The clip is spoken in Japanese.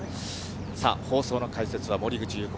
さあ、放送の解説は、森口祐子